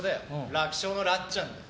楽勝のらっちゃんだよ。